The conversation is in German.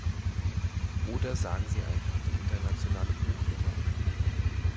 Oder sagen Sie einfach die internationale Buchnummer.